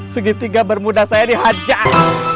segitiga bermuda saya dihajar